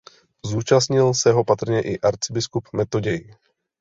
Zúčastnil se ho patrně i arcibiskup Metoděj.